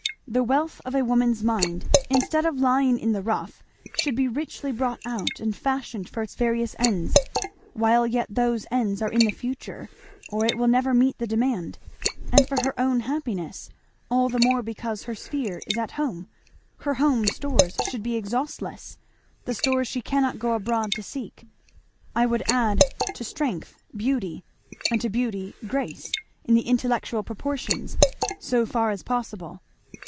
The wealth of a woman's mind, instead of lying in the rough, should be richly brought out and fashioned for its various ends, while yet those ends are in the future, or it will never meet the demand. And for her own happiness, all the more because her sphere is at home, her home stores should be exhaustless the stores she cannot go abroad to seek. I would add to strength beauty, and to beauty grace, in the intellectual proportions, so far as possible.